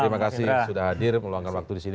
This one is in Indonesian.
terima kasih sudah hadir meluangkan waktu di sini